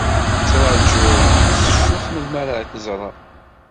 Ttṛajuɣ s ccuq melmi ara k-ẓreɣ.